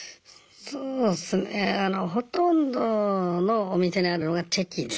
そうっすねほとんどのお店にあるのがチェキですかね。